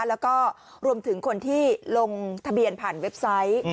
แล้วก็รวมถึงคนที่ลงทะเบียนผ่านเว็บไซต์